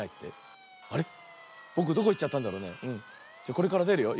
これからでるよ。